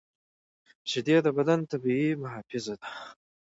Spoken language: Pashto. شیدې د بدن طبیعي محافظ دي